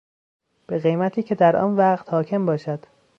به قیمتی که در آن وقت حاکم باشد